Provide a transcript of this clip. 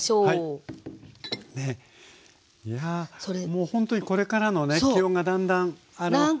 もうほんとにこれからのね気温がだんだん高くなってくるね。